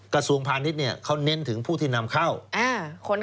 กระทรวงพาณิชย์เขาเน้นถึงผู้ที่นำเข้า